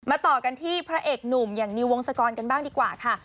ต่อกันที่พระเอกหนุ่มอย่างนิววงศกรกันบ้างดีกว่าค่ะ